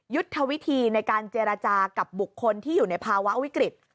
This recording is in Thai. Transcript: ยุทธวิธีในการเจรจากับบุคคลที่อยู่ในภาวะวิกฤต